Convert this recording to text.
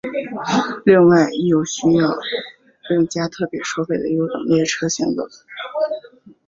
另外亦有需要另加特别收费的优等列车行走。